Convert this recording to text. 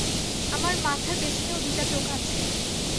আমার মাথার পেছনেও দুইটা চোখ আছে!